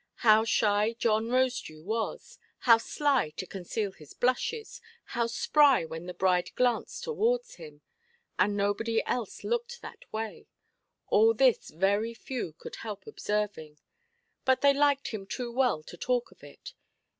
How shy John Rosedew was, how sly to conceal his blushes, how spry when the bride glanced towards him, and nobody else looked that way—all this very few could help observing; but they liked him too well to talk of it.